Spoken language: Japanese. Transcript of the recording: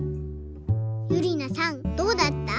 ゆりなさんどうだった？